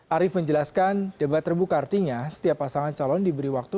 arief menjelaskan debat terbuka artinya setiap pasangan calon diberi waktu